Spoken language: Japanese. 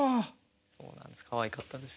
そうなんですかわいかったんです。